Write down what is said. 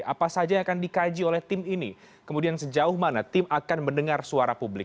apa saja yang akan dikaji oleh tim ini kemudian sejauh mana tim akan mendengar suara publik